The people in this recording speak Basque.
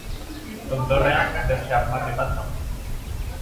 Tontorrean, beste armarri bat dago.